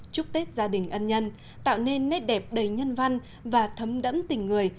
chúc tết gia đình ân nhân tạo nên nét đẹp đầy nhân văn và thấm đẫm tình người